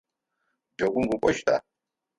Джэгум укӏощта?